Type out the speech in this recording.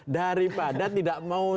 daripada tidak mau